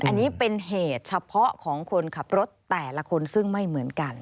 อันนี้เป็นเหตุเฉพาะของคนขับรถแต่ละคนซึ่งไม่เหมือนกัน